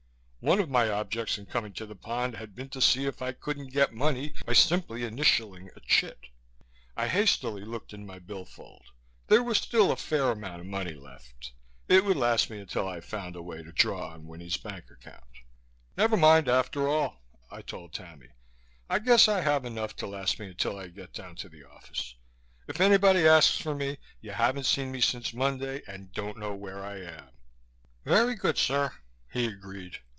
One of my objects in coming to the Pond had been to see if I couldn't get money by simply initialing a chit. I hastily looked in my bill fold. There was still a fair amount of money left. It would last me until I found a way to draw on Winnie's bank account. "Never mind, after all," I told Tammy. "I guess I have enough to last me until I get down to the office. If anybody asks for me, you haven't seen me since Monday and don't know where I am." "Very good, sir," he agreed.